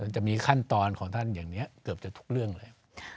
จะมีขั้นตอนของท่านอย่างนี้เกือบจะทุกเรื่องแล้ว